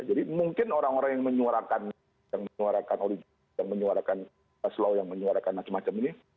jadi mungkin orang orang yang menyuarakan yang menyuarakan oligarki yang menyuarakan baselol yang menyuarakan macam macam ini